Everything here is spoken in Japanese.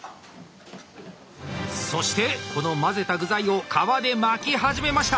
そしてこのまぜた具材を皮で巻き始めました！